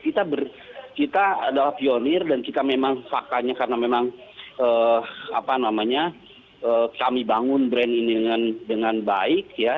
kita ber kita adalah pionir dan kita memang fakanya karena memang apa namanya kami bangun brand ini dengan dengan baik ya